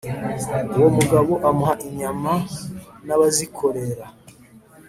Uwo mugabo amuha inyama n'abazikorera